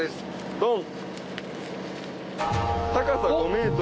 ドン！